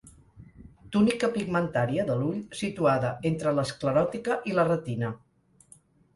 Túnica pigmentària de l'ull situada entre l'escleròtica i la retina.